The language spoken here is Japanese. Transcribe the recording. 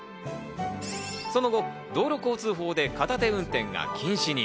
その後、道路交通法で片手運転が禁止に。